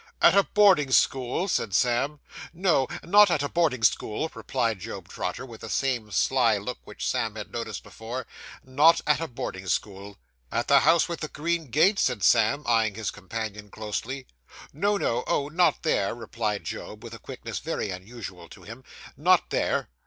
'At a boarding school?' said Sam. 'No, not at a boarding school,' replied Job Trotter, with the same sly look which Sam had noticed before; 'not at a boarding school.' 'At the house with the green gate?' said Sam, eyeing his companion closely. 'No, no oh, not there,' replied Job, with a quickness very unusual to him, 'not there.